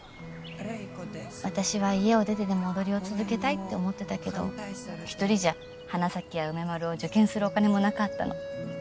私は家を出てでも踊りを続けたいって思ってたけど一人じゃ花咲や梅丸を受験するお金もなかったの。